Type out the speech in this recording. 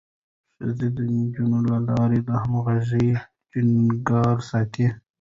ښوونځی د نجونو له لارې همغږي ټينګه ساتي.